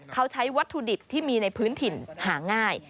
เขาใช้วัตถุดิบที่มีในพื้นถิ่นหาง่าย